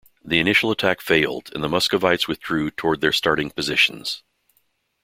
The initial attack failed, and the Muscovites withdrew toward their starting positions.